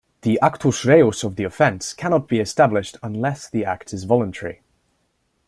The Actus Reus of the offence cannot be established unless the act is voluntary.